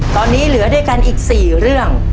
ตอนนี้เหลือด้วยกันอีก๔เรื่อง